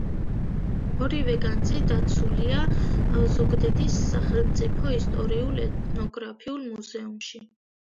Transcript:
ორივე განძი დაცულია ზუგდიდის სახელმწიფო ისტორიულ-ეთნოგრაფიულ მუზეუმში.